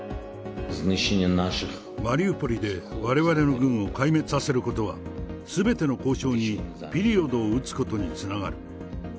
マリウポリでわれわれの軍を壊滅させることはすべての交渉にピリオドを打つことにつながる。